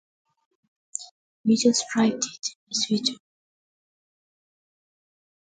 We just thieved it, as we do.